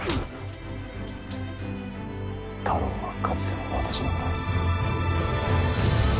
太郎はかつての私なんだ。